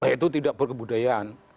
itu tidak berkebudayaan